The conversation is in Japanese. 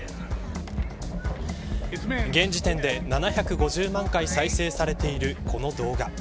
現時点で７５０万回再生されている、この動画。